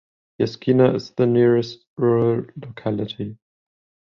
Yeskina is the nearest rural locality.